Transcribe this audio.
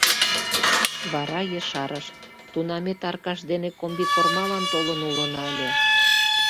Вара ешарыш: — Тунамет Аркаш дене комбикормалан толын улына ыле.